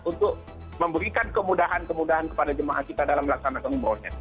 untuk memberikan kemudahan kemudahan kepada jemaah kita dalam melaksanakan umrohnya